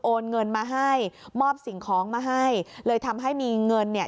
เงินมาให้มอบสิ่งของมาให้เลยทำให้มีเงินเนี่ย